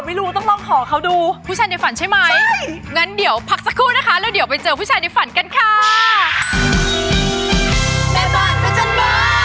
มาร้องเพลงให้เราอะไรอย่างนี้นะครับ